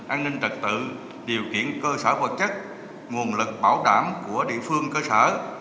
an ninh trật tự điều kiện cơ sở vật chất nguồn lực bảo đảm của địa phương cơ sở